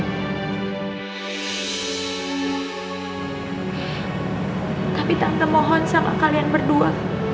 tapi tante mohon sama kalian berdua